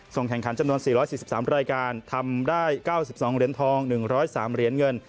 แข่งขันจำนวน๔๔๓รายการทำได้๙๒เหรียญทอง๑๐๓เหรียญเงิน